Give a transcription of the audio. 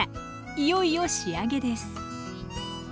いよいよ仕上げです